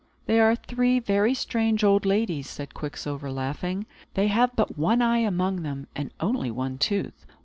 "They are three very strange old ladies," said Quicksilver, laughing. "They have but one eye among them, and only one tooth.